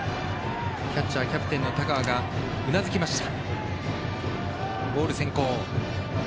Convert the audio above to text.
キャッチャーキャプテンの田川がうなずきました。